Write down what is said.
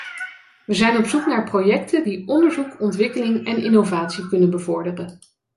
We zijn op zoek naar projecten die onderzoek, ontwikkeling en innovatie kunnen bevorderen.